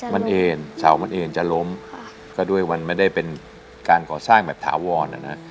มันเอ็นเสามันเอ็นจะล้มก็ด้วยมันไม่ได้เป็นการก่อสร้างแบบถาวรนะนะ